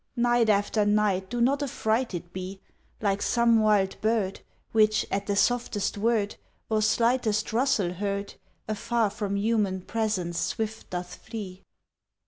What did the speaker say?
Night after night do not affrighted be, Like some wild bird, Which, at the softest word Or slightest rustle heard, Afar from human presence swift doth flee.